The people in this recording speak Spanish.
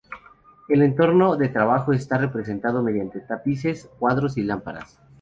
El entorno de trabajo está representado mediante tapices, cuadros y lámparas.